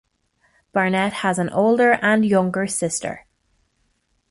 Barnet has an older and younger sister.